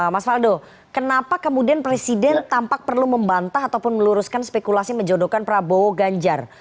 mas faldo kenapa kemudian presiden tampak perlu membantah ataupun meluruskan spekulasi menjodohkan prabowo ganjar